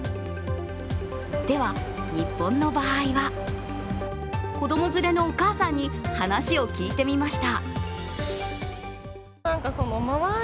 では、日本の場合は子供連れのお母さんに話を聞いてみました。